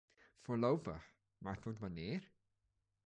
Voorlopig, maar tot wanneer?